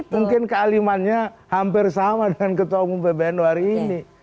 mungkin kealimannya hampir sama dengan ketua umum pbnu hari ini